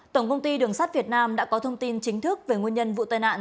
tổng công ty đường sắt việt nam đã có thông tin chính thức về nguyên nhân vụ tai nạn